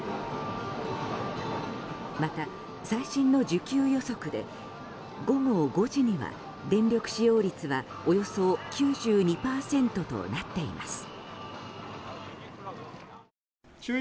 また最新の需給予測で午後５時には電力使用率はおよそ９２％となっています。